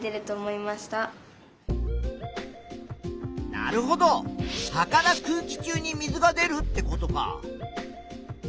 なるほど葉から空気中に水が出るってことか。